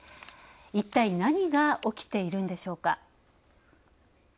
一体、何が起きているんでしょうか。